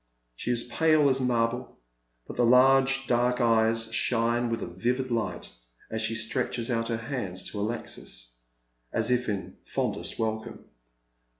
Sha is pale as marble, but the large dark eyes shine with a vivid light as she stretches out her hands to Alexis, as if in fondest welcome.